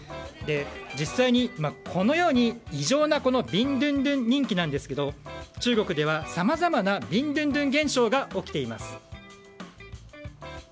実際に、このように異常なビンドゥンドゥン人気なんですが中国ではさまざまなビンドゥンドゥン現象が起きています。